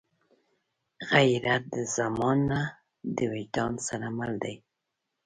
غیرت د زمان نه، د وجدان سره مل دی